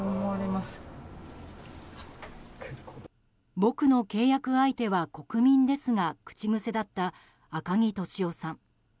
僕の契約相手は国民です、が口癖だった、赤木俊夫さん。